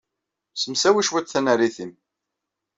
Ssemsawi cwiṭ tanarit-nnem.